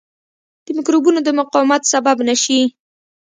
د مکروبونو د مقاومت سبب نه شي.